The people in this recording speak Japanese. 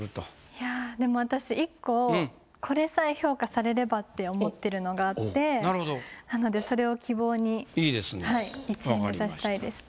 いやでも私１個これさえ評価されればって思ってるのがあってなのでそれを希望に１位目指したいです。